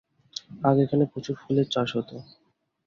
আগে এখানে প্রচুর ফুলের চাষ হতো।